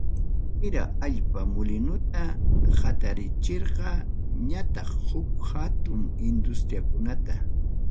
Wira allpa mulinuta hatarichirqa, ñataq huk hatun industriakunata.